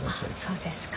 そうですか。